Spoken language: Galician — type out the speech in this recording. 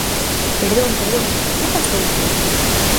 Perdón, perdón, ¿que pasou?